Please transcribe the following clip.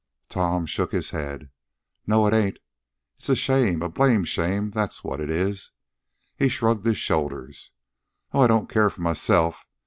Tom shook his head. "No, it ain't. It's a shame, a blamed shame, that's what it is." He shrugged his shoulders. "Oh, I don't care for myself.